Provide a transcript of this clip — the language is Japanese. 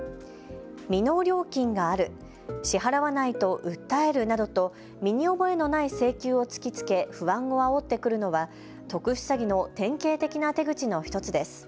未納料金がある、支払わないと訴えるなどと身に覚えのない請求を突きつけ不安をあおってくるのは特殊詐欺の典型的な手口の１つです。